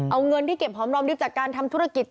เอาเงินที่เก็บหอมรอมริบจากการทำธุรกิจ